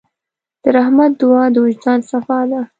د رحمت دعا د وجدان صفا ده.